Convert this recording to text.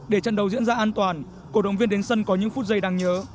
để trận đấu diễn ra an toàn cổ động viên đến sân có những phút giây đáng nhớ